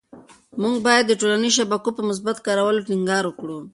موږ باید د ټولنيزو شبکو په مثبت کارولو ټینګار وکړو.